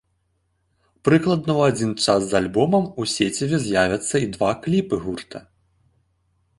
Прыкладна ў адзін час з альбомам у сеціве з'явяцца і два кліпы гурта.